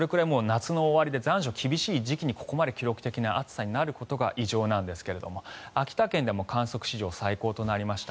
それくらい夏の終わりで残暑厳しい時期にここまで記録的な暑さになることが異常なんですが秋田県でも観測史上最高となりました。